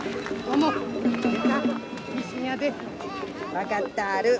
分かったある。